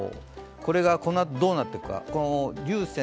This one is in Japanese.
これがこのあとどうなっていくか。